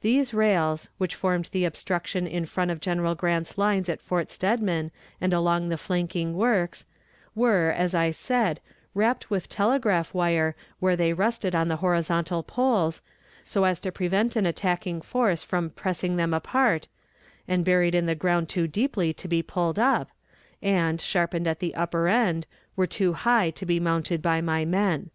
These rails, which formed the obstruction in front of General Grant's lines at Fort Steadman and along the flanking works, were, as I said, wrapped with telegraph wire where they rested on the horizontal poles, so as to prevent an attacking force from pressing them apart, and buried in the ground too deeply to be pulled up, and, sharpened at the upper end, were too high to be mounted by my men.